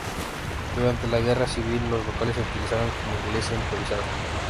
Durante la guerra civil los locales se utilizaron como iglesia improvisada.